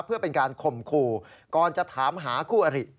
เพื่อเป็นการข่มขู่ก่อนจะถามหาคู่อริ